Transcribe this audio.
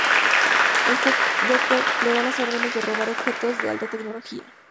El Joker les da órdenes de robar objetos de alta tecnología.